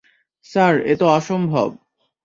Sir, এ তো অসম্ভব।